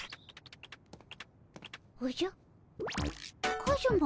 おじゃカズマ。